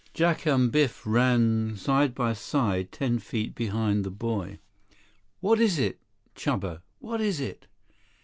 Jack and Biff ran side by side, ten feet behind the boy. "What is it, Chuba? What is it?"